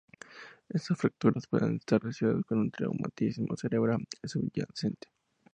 Estas fracturas pueden estar asociadas con un traumatismo cerebral subyacente.